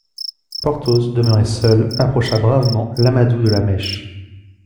Porthos, demeuré seul, approcha bravement l'amadou de la mèche.